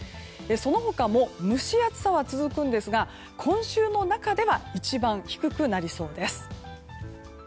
その他も蒸し暑さは続くんですが今週の中では一番低くなりそうです。